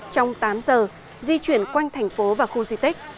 trong tám giờ di chuyển quanh thành phố và khu di tích